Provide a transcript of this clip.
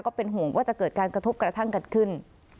เป็นห่วงว่าจะเกิดการกระทบกระทั่งกันขึ้น